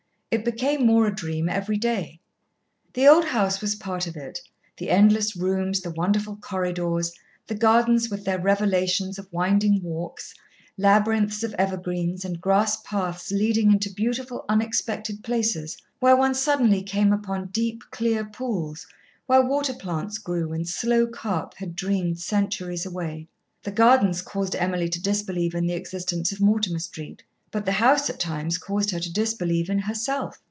It became more a dream every day. The old house was part of it, the endless rooms, the wonderful corridors, the gardens with their revelations of winding walks, labyrinths of evergreens, and grass paths leading into beautiful unexpected places, where one suddenly came upon deep, clear pools where water plants grew and slow carp had dreamed centuries away. The gardens caused Emily to disbelieve in the existence of Mortimer Street, but the house at times caused her to disbelieve in herself.